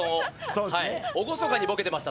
厳かにボケてました。